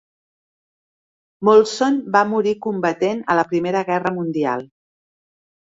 Molson va morir combatent a la Primera Guerra Mundial.